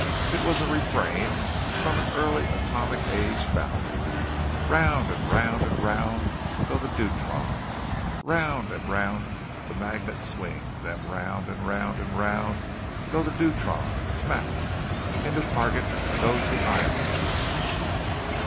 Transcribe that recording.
It was a refrain from an early atomic age ballad: "_Round and round and round go the deuterons Round and round the magnet swings them Round and round and round go the deuterons Smack! In the target goes the ion beam!